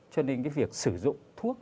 cho nên cái việc sử dụng thuốc